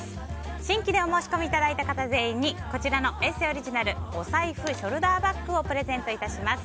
新規でお申し込みいただいた方全員にこちらの「ＥＳＳＥ」オリジナルお財布ショルダーバッグをプレゼント致します。